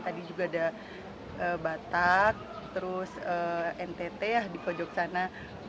tadi juga ada batak terus ntt ya di pojok sana